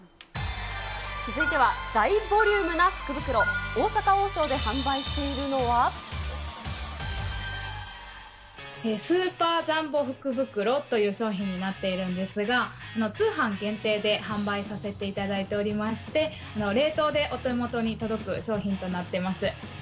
続いては、大ボリュームな福袋、スーパージャンボ福袋という商品になっているんですが、通販限定で販売させていただいておりまして、冷凍でお手元に届く商品となってます。